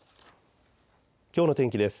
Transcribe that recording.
きょうの天気です。